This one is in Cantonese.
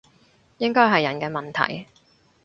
應該係人嘅問題